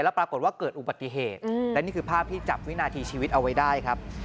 ปรากฏว่าเกิดอุบัติเหตุและนี่คือภาพที่จับวินาทีชีวิตเอาไว้ได้ครับ